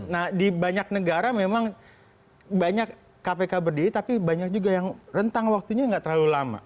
nah di banyak negara memang banyak kpk berdiri tapi banyak juga yang rentang waktunya nggak terlalu lama